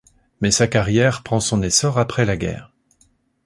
Mais sa carrière prend son essor après la guerre.